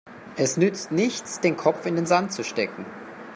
Es nützt nichts, den Kopf in den Sand zu stecken.